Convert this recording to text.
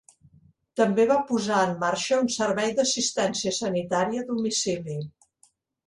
També va posar en marxa un servei d'assistència sanitària a domicili.